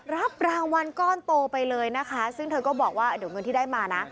รับรางวัลก้อนโตไปเลยนะคะซึ่งเธอก็บอกว่าเดี๋ยวเงินที่ได้มานะ